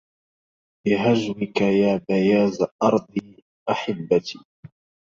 بهجوك يا بياز أرضي أحبتي